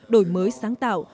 đổi mới sáng tạo